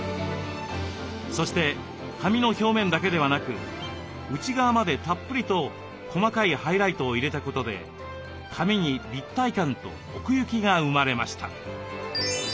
そして髪の表面だけでなく内側までたっぷりと細かいハイライトを入れたことで髪に立体感と奥行きが生まれました。